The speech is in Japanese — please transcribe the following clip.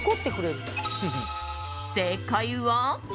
正解は。